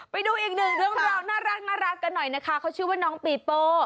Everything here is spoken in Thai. ไปดูอีกหนึ่งด้วยน้องบีโป้น่ารักกันหน่อยนะคะเขาชื่อ็วน้องปีโป้